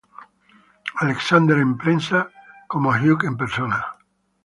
Alexander en prensa y como Hugh en persona.